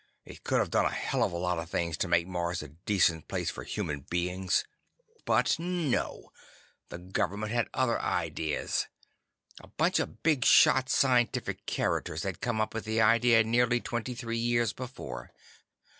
It could have done a hell of a lot of things to make Mars a decent place for human beings. But no—the government had other ideas. A bunch of bigshot scientific characters had come up with the idea nearly twenty three years before.